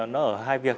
nó ở hai việc